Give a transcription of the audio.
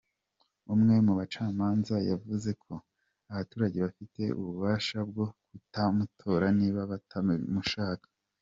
Umwe mu bacamanza yavuze ko abaturage bagifite ububasha bwo kutamutora niba batakimushaka.